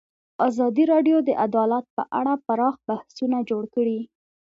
ازادي راډیو د عدالت په اړه پراخ بحثونه جوړ کړي.